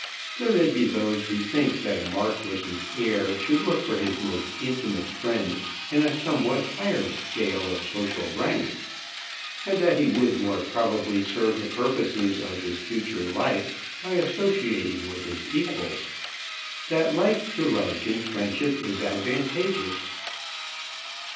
There may be those who think that a Marquis's heir should look for his most intimate friend in a somewhat higher scale of social rank, and that he would more probably serve the purposes of his future life by associating with his equals; that like to like in friendship is advantageous.